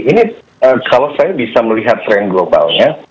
ini kalau saya bisa melihat tren globalnya